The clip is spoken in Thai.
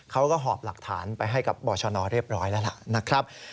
เขาก็หอบหลักฐานไปให้กับบชนเรียบร้อยแล้วล่ะนะครับ